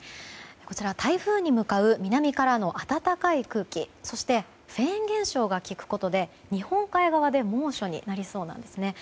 台風に向かう南からの暖かい空気そして、フェーン現象が効くことで日本海側で猛暑になりそうです。